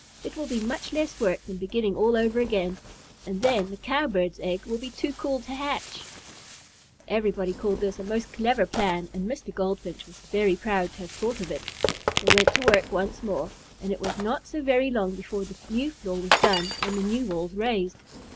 It will be much less work than beginning all over again, and then the Cowbird's egg will be too cool to hatch." Everybody called this a most clever plan, and Mr. Goldfinch was very proud to have thought of it. They went to work once more, and it was not so very long before the new floor was done and the new walls raised.